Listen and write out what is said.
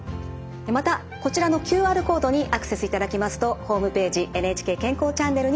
またこちらのＱＲコードにアクセスいただきますとホームページ「ＮＨＫ健康チャンネル」につながります。